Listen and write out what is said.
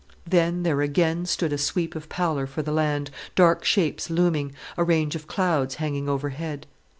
—Then there again stood a sweep of pallor for the land, dark shapes looming, a range of clouds hanging overhead.